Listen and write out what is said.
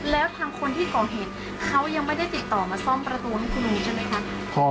แล้วทางคนที่ก่อเหตุเขายังไม่ได้ติดต่อมาซ่อมประตูให้คุณลุงใช่ไหมคะ